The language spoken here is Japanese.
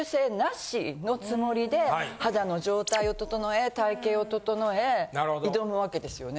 で肌の状態を整え体形を整え挑むわけですよね。